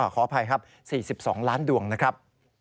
ขออภัยครับ๔๒ล้านดวงนะครับ